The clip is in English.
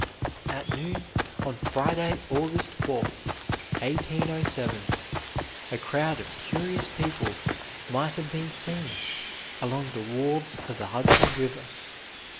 At noon, on Friday, August 4, 1807, a crowd of curious people might have been seen along the wharves of the Hudson River.